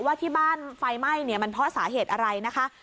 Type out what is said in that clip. ว่าที่บ้านไฟไหม้เนี่ยมันเพราะสาเหตุอะไรนะคะ